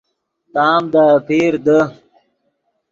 تام دے اپیر دے